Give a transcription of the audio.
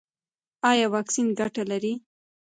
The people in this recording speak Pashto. ایا واکسین ګټه لري؟